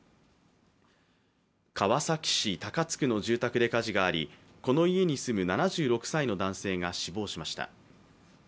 川崎市高津区の住宅で火事がありこの家に住む７６歳の男性が死亡しました。